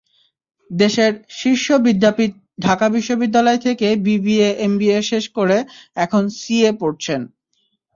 দেশের শীর্ষ বিদ্যাপীঠ ঢাকা বিশ্ববিদ্যালয় থেকে বিবিএ-এমবিএ শেষ করে এখন সিএ পড়ছেন।